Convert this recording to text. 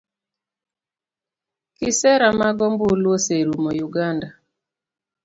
Kisera mag ombulu oserumo uganda